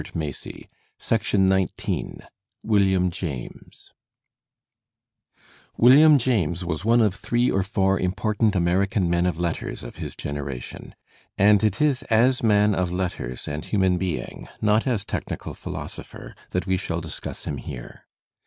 Digitized by Google CHAPTER XV WnilAM JAMES William James was one of three or four important Amer ican men of letters of his generation; and it is as man of , letters and hmnan being, not as technical philosopher, that we shall discuss him here.